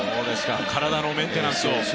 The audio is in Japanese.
体のメンテナンスを。